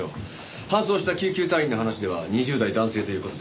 搬送した救急隊員の話では２０代男性という事でした。